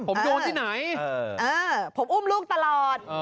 ผมโยนที่ไหนผมอุ้มลูกตลอด